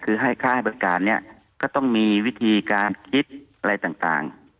คือค่าบริการนี้ก็ต้องมีวิธีการคิดอะไรต่าง